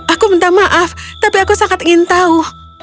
aku minta maaf tapi aku sangat ingin tahu